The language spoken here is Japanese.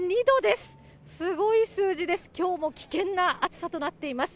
すごい数字です、きょうも危険な暑さとなっています。